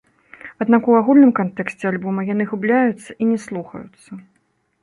Аднак у агульным кантэксце альбома яны губляюцца і не слухаюцца.